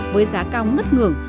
với giá cao ngất ngưỡng